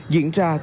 diễn ra tuyệt vời